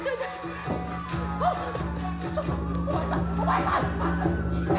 あっちょっとお前さんお前さん待って。